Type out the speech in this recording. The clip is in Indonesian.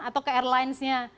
atau ke airlinesnya